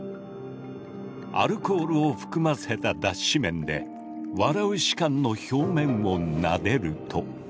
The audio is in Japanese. アルコールを含ませた脱脂綿で「笑う士官」の表面をなでると。